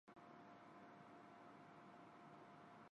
永遠に